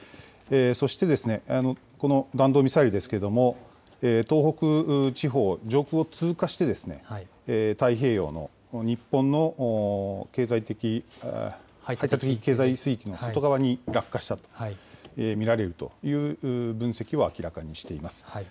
そしてこの弾道ミサイルですけれども、東北地方上空を通過して、太平洋の日本の排他的経済水域の外側に落下したと見られるという分析を明らかにしています。